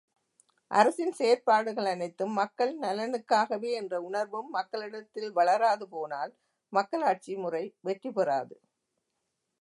அரசின் செயற்பாடுகள் அனைத்தும் மக்கள் நலனுக்காகவே என்ற உணர்வும் மக்களிடத்தில் வளராது போனால் மக்களாட்சி முறை வெற்றி பெறாது.